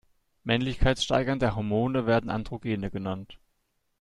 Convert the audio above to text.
Männlichkeitssteigernde Hormone werden Androgene genannt.